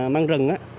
măng rừng á